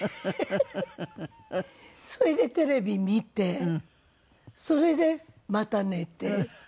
それでテレビ見てそれでまた寝て。